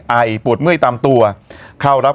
ไอปวดเมื่อยตามตัวเข้ารับ